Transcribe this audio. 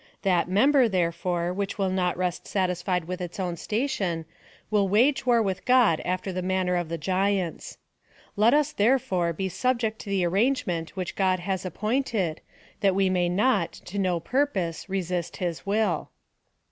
That member, therefore, which will not rest satisfied with its own station, will wage war with God after the manner of the giants. ^ Let us, therefore, be subject to the arrangement which God has appointed, that we may not, to no purpose, resist his will."